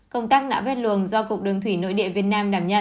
công tác nạo vét luồng do cục đường thủy nội địa việt nam đảm nhận